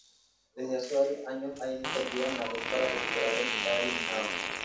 Desde hace varios años hay iniciativas en la red para recuperar el metraje eliminado.